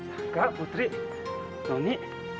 kakak putri noni